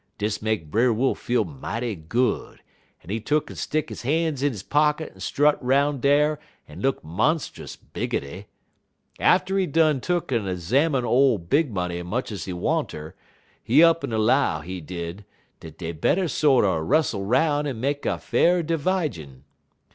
Dis make Brer Wolf feel mighty good, en he tuck'n stick he han's in he pocket en strut 'roun' dar en look monst'us biggity. Atter he done tuck'n 'zamine ole Big Money much ez he wanter, he up'n 'low, he did, dat dey better sorter rustle 'roun' en make a fa'r dividjun.